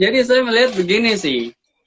jadi saya melihat begini sih